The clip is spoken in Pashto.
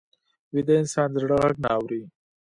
ویده انسان د زړه غږ نه اوري